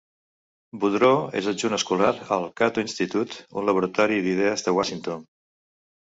Boudreaux és adjunt escolar al Cato Institute, un laboratori d'idees de Washington.